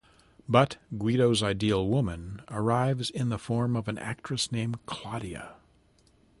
But Guido's Ideal Woman arrives in the form of an actress named Claudia.